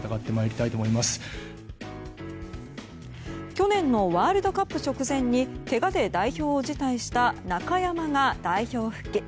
去年のワールドカップ直前にけがで代表を辞退した中山が代表復帰。